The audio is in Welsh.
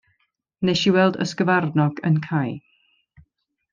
Wnes i weld ysgyfarnog yn cae.